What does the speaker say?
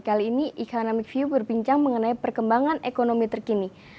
kali ini economic view berbincang mengenai perkembangan ekonomi terkini